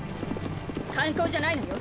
観光じゃないのよ！